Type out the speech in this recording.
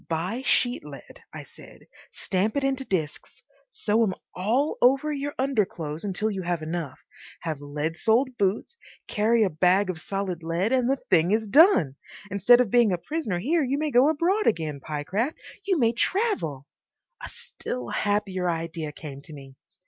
"Buy sheet lead," I said, "stamp it into discs. Sew 'em all over your underclothes until you have enough. Have lead soled boots, carry a bag of solid lead, and the thing is done! Instead of being a prisoner here you may go abroad again, Pyecraft; you may travel—" A still happier idea came to me.